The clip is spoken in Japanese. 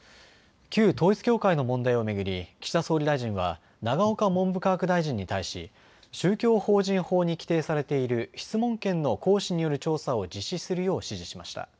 旧統一教会の問題を巡り岸田総理大臣は永岡文部科学大臣に対し宗教法人法に規定されている質問権の行使による調査を実施するよう指示しました。